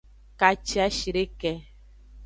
Kaciashideke.